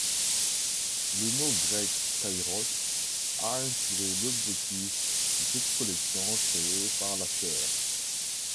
Le mot grec Kairos a inspiré l’objectif de cette collection créée par la Chaire.